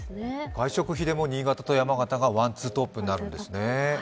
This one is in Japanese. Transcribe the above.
外食費でも新潟と山形がワンツートップになるんですね。